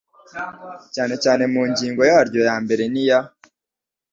cyane cyane mu ngingo yaryo ya mbere n iya